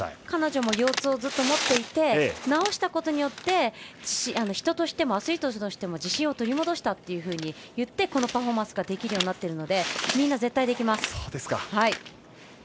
彼女も腰痛をずっと持っていて治したことによって人としても、アスリートとしても自信を取り戻したというふうに言ってこのパフォーマンスをできるようになったのでみんな、絶対できます。